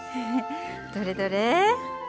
どれどれ。